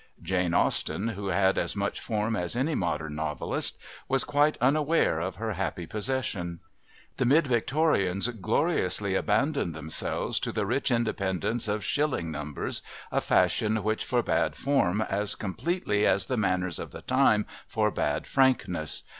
Jane Austen, who had as much form as any modern novelist, was quite unaware of her happy possession. The mid Victorians gloriously abandoned themselves to the rich independence of shilling numbers, a fashion which forbade Form as completely as the manners of the time forbade frankness.